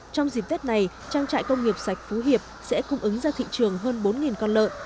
trong dịp tết này trang trại công nghiệp sạch phú hiệp sẽ cung ứng ra thị trường hơn bốn con lợn